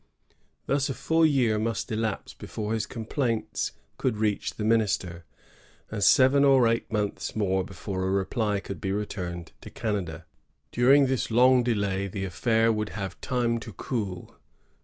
Thus a full year must elapse before his complaints could reach the minister, and seven or eight months more before a reply could be returned to Canada. During this long delay the affair would have time to cool.